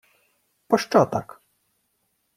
— Пощо так?